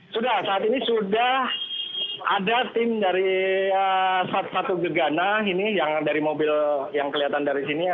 sudah saat ini sudah ada tim dari satpatu gegana yang dari mobil yang kelihatan dari sini